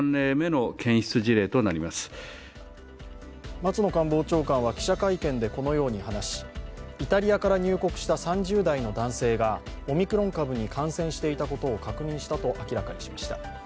松野官房長官は記者会見でこのように話し、イタリアから入国した３０代の男性がオミクロン株に感染していたことを確認したと明らかにしました。